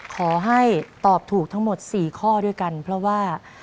ขอให้ตอบถูกทั้งหมด๔ข้อด้วยกันเพราะว่า